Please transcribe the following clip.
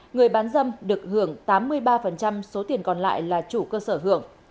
người bán dâm được hưởng tám mươi ba số tiền còn lại là chủ cơ sở hưởng